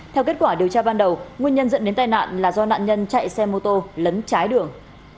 theo kết quả điều tra ban đầu nguyên nhân dẫn đến tai nạn là do nạn nhân chạy xe mô tô lấn trái đường